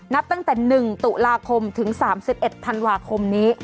นับตั้งแต่๑ตุลาคมถึง๓๑ธันวาคมนี้